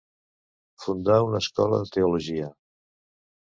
Fundà una escola de teologia.